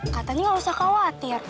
katanya gak usah khawatir